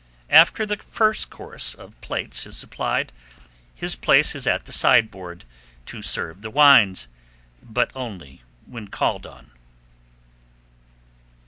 After the first course of plates is supplied, his place is at the sideboard to serve the wines, but only when called on.